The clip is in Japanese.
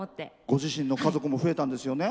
ご自身の家族も増えたんですよね。